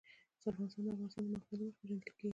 افغانستان د د افغانستان د موقعیت له مخې پېژندل کېږي.